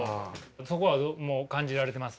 そこは感じられてます？